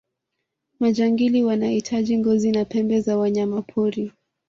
majangili wanahitaji ngozi na pembe za wanyamapori